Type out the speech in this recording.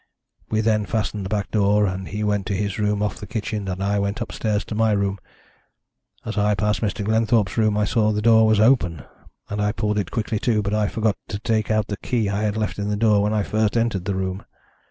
We then fastened the back door, and he went to his room off the kitchen, and I went upstairs to my room. As I passed Mr. Glenthorpe's room I saw the door was open, and I pulled it quickly to, but I forgot to take out the key I had left in the door when I first entered the room.